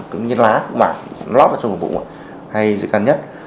cũng như lá phúc mạc nó lót vào trong bụng hay dây căn nhất